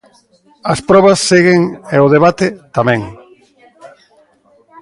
As probas seguen e o debate, tamén.